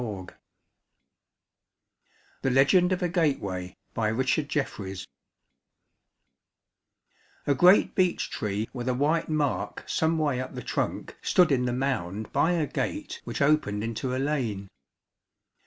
II THE LEGEND OF A GATEWAY A great beech tree with a white mark some way up the trunk stood in the mound by a gate which opened into a lane.